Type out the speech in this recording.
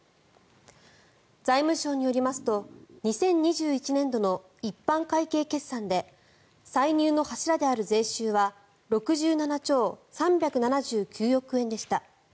財務省によりますと２０２１年度の一般会計決算で歳入の柱である税収は６７兆３７９億円でした。